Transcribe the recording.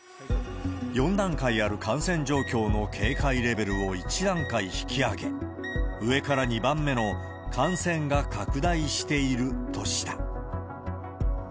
４段階ある感染状況の警戒レベルを１段階引き上げ、上から２番目の、感染が拡大しているとした。